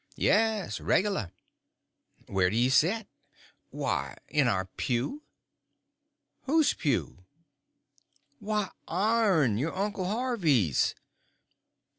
"Yes—regular." "Where do you set?" "Why, in our pew." "Whose pew?" "Why, ourn—your Uncle Harvey's."